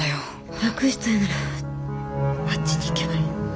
楽したいならあっちに行けばいい。